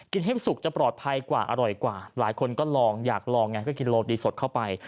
ให้สุกจะปลอดภัยกว่าอร่อยกว่าหลายคนก็ลองอยากลองไงก็กินโลดีสดเข้าไป